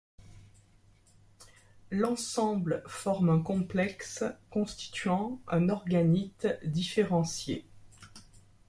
L'ensemble forme un complexe constituant un organite différentié.